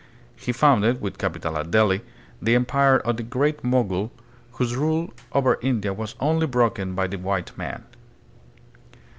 He founded, with capital at Delhi, the empire of the Great Mogul, whose rule over India was only broken by the white man.